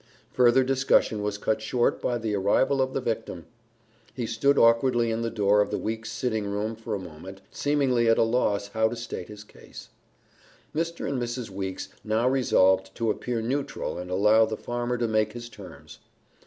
Further discussion was cut short by the arrival of the victim. He stood awkwardly in the door of the Weeks sitting room for a moment, seemingly at a loss how to state his case. Mr. And Mrs. Weeks now resolved to appear neutral and allow the farmer to make his terms.